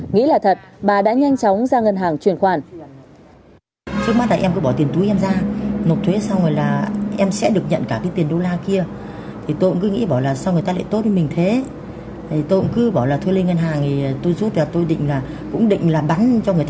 nghĩ là thật bà đã nhanh chóng ra ngân hàng truyền khoản